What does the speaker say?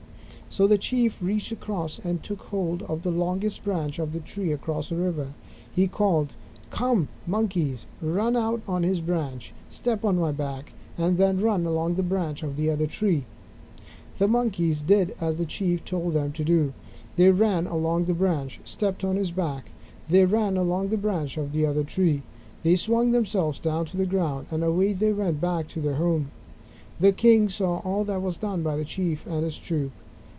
So the Chief reached across and took hold of the longest branch of the tree across the river. He called, "Come, Monkeys; run out on this branch, step on my back, and then run along the branch of the other tree." The Monkeys did as the Chief told them to do. They ran along the branch, stepped on his back, then ran along the branch of the other tree. They swung themselves down to the ground, and away they went back to their home. The king saw all that was done by the Chief and his troop.